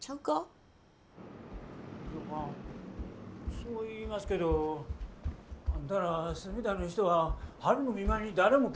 そう言いますけどあんたら角田の人はハルの見舞いに誰も来え